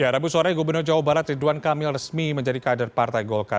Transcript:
rabu sore gubernur jawa barat ridwan kamil resmi menjadi kader partai golkar